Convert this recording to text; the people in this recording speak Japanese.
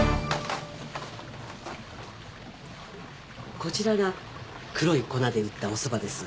こちらが黒い粉で打ったおそばです